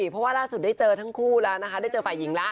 เพราะว่าล่าสุดได้เจอทั้งคู่แล้วนะคะได้เจอฝ่ายหญิงแล้ว